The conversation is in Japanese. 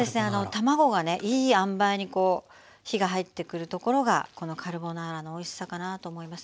卵がねいいあんばいに火が入ってくるところがこのカルボナーラのおいしさかなと思います。